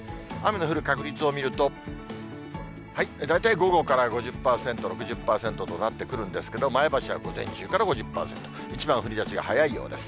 雨の降る確率を見ると、大体午後から５０％、６０％となってくるんですけど、前橋は午前中から５０％、一番降りだしが早いようです。